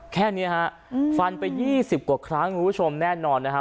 แค่นี้ฮะฟันไปยี่สิบกว่าครั้งคุณผู้ชมแน่นอนนะฮะ